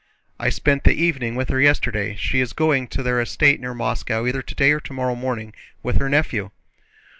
"I spent the evening with her yesterday. She is going to their estate near Moscow either today or tomorrow morning, with her nephew."